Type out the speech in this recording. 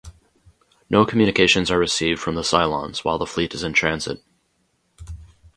No communications are received from the Cylons while the fleet is in transit.